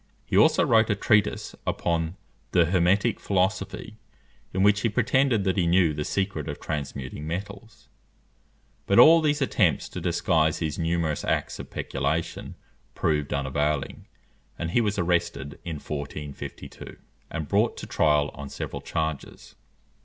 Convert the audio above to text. He also wrote a treatise upon the hermetic philosophy, in which he pretended that he knew the secret of transmuting metals. [Illustration: HOUSE OF JACQUES COEUR, BOURGES.] But all these attempts to disguise his numerous acts of peculation proved unavailing; and he was arrested in 1452, and brought to trial on several charges.